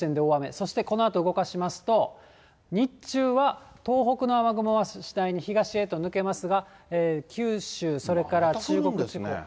そしてこのあと動かしますと、日中は東北の雨雲は次第に東へと抜けますが、九州、それから中国地方。